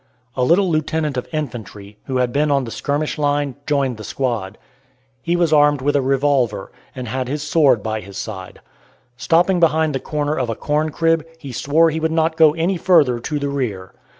A little lieutenant of infantry, who had been on the skirmish line, joined the squad. He was armed with a revolver, and had his sword by his side. Stopping behind the corner of a corn crib he swore he would not go any further to the rear.